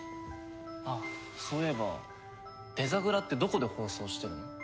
あっそういえばデザグラってどこで放送してるの？